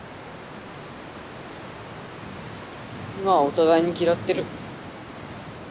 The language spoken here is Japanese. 今はお互いに嫌ってる。